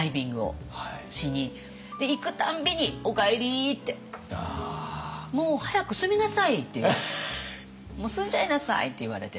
行く度に「おかえり」って「もう早く住みなさい」って「もう住んじゃいなさい」って言われてて。